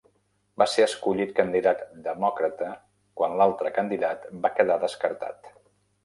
Va ser escollit candidat Demòcrata quan l'altre candidat va quedar descartat.